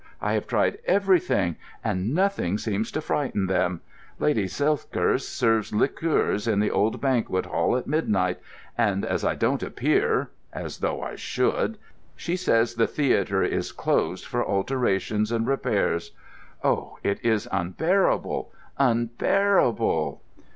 I have tried everything, and nothing seems to frighten them. Lady Silthirsk serves liqueurs in the old Banquet Hall at midnight, and as I don't appear,—as though I should!—she says the theatre, is closed for alterations and repairs. Oh, it is unbearable, unbearable!"